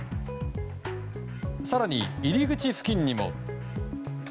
更に入り口付近にも。